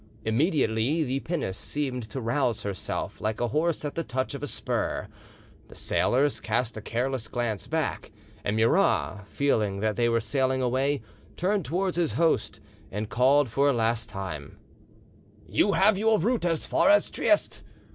Immediately the pinnace seemed to rouse herself like a horse at touch of the spur; the sailors cast a careless glance back, and Murat feeling that they were sailing away, turned towards his host and called for a last time— "You have your route as far as Trieste.